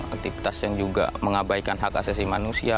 aktivitas yang juga mengabaikan hak asasi manusia